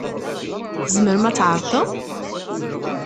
Tzemrem ad tɛerḍem?